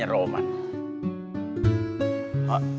tapi toma pri espera ya